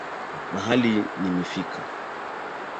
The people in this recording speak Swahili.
Mahali nimefika.